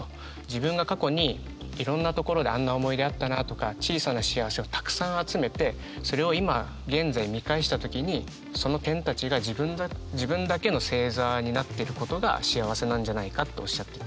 自分が過去にいろんなところであんな思い出あったなとか小さな幸せをたくさん集めてそれを今現在見返した時にその点たちが自分だけの星座になってることが幸せなんじゃないかっておっしゃってて。